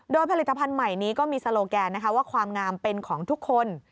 โดยผลิตภัณฑ์ใหม่นี้ก็มีโซโลแกนนะคะว่าความงามเป็นของทุกคน